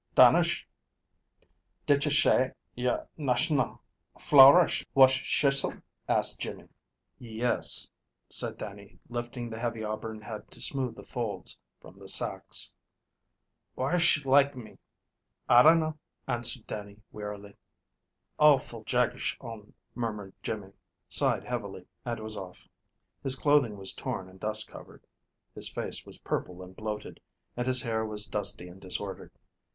"Dannish, didsh shay y'r nash'nal flowerish wash shisle?" asked Jimmy. "Yes," said Dannie, lifting the heavy auburn head to smooth the folds from the sacks. "Whysh like me?" "I dinna," answered Dannie wearily. "Awful jagsh on," murmured Jimmy, sighed heavily, and was off. His clothing was torn and dust covered, his face was purple and bloated, and his hair was dusty and disordered.